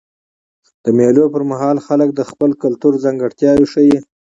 د مېلو پر مهال خلک د خپل کلتور ځانګړتیاوي ښیي.